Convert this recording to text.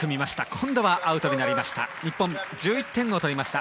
今度はアウトになりました。